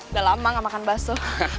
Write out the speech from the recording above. udah lama gak makan bakso